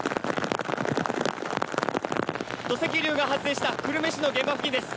土石流が発生した久留米市の現場付近です。